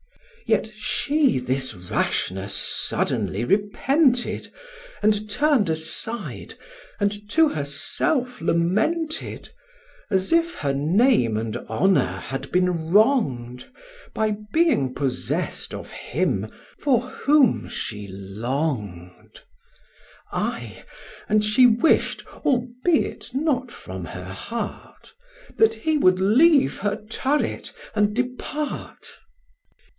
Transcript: Yet she this rashness suddenly repented, And turn'd aside, and to herself lamented, As if her name and honour had been wrong'd, By being possess'd of him for whom she long'd; Ay, and she wish'd, albeit not from her heart, That he would leave her turret and depart.